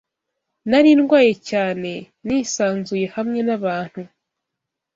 Nari ndwaye cyane nisanzuye hamwe nabantu.